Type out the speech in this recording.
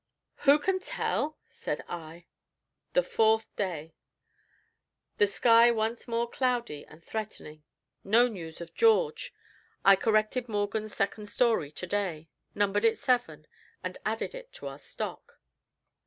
"Who can tell?" said I. THE FOURTH DAY. THE sky once more cloudy and threatening. No news of George. I corrected Morgan's second story to day; numbered it Seven, and added it to our stock.